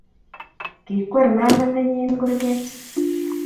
Kikwer mama nenyi kurget